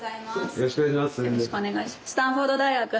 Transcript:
よろしくお願いします。